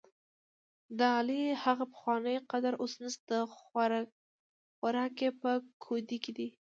دعلي هغه پخوانی قدر اوس نشته، خوراک یې په کودي کې دی.